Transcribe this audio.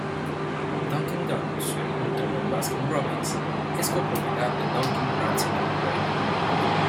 Dunkin' Donuts, junto con Baskin-Robbins, es co-propiedad de Dunkin' Brands Inc.